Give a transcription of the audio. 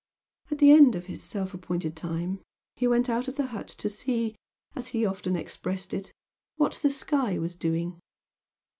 At the end of his self appointed time, he went out of the hut to see, as he often expressed it, "what the sky was doing."